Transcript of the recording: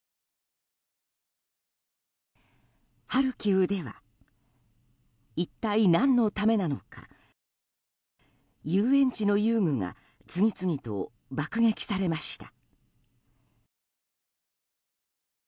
ハルキウでは一体、何のためなのか遊園地の遊具が次々と爆撃されました。